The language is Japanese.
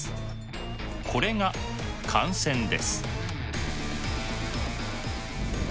これが感染です。